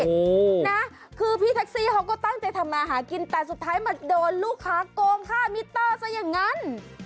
โอ้โหนะคือพี่แท็กซี่เขาก็ตั้งใจทำมาหากินแต่สุดท้ายมาโดนลูกค้าโกงค่ามิเตอร์ซะอย่างนั้น